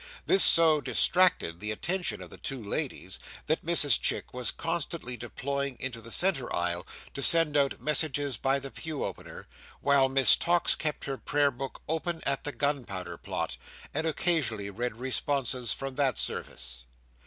This so distracted the attention of the two ladies, that Mrs Chick was constantly deploying into the centre aisle, to send out messages by the pew opener, while Miss Tox kept her Prayer book open at the Gunpowder Plot, and occasionally read responses from that service.